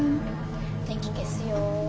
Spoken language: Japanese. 電気消すよ。